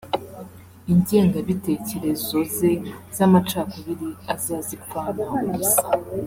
ingengabitekerezo ze z’amacakubiri aza zipfana ubusa